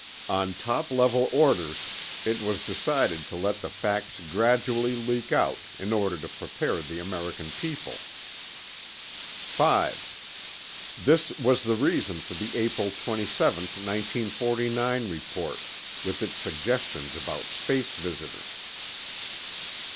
On top level orders, it was decided to let the facts gradually leak out, in order to prepare the American people. 5. This was the reason for the April 27, 1949, report, with its suggestions about space visitors.